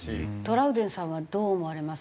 トラウデンさんはどう思われます？